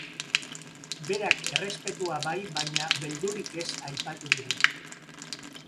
Berak errespetua bai baina beldurrik ez aipatu digu.